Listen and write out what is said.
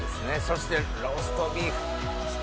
そしてローストビーフ。